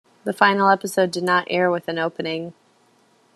The final episode did not air with an opening.